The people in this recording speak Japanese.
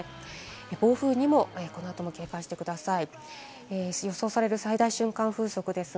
暴風にも、この後も警戒してください。